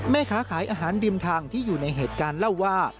แม่ค้าขายอาหารริมทางที่อยู่ในเหตุการณ์เล่าว่า